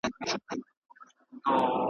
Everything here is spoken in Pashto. چي هر څه یې وي زده کړي په کلونو .